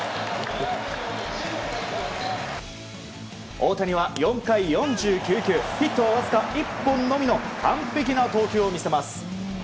大谷は４回４９球ヒットはわずか１本のみの完璧な投球を見せます。